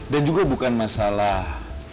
dan juga bukan masalah